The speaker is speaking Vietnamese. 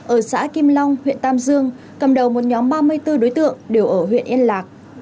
ở xã kim long huyện tam dương cầm đầu một nhóm ba mươi bốn đối tượng đều ở huyện yên lạc